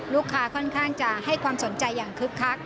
ลูกค้าค่อนข้างจะให้ความสนใจอย่างคึกคัก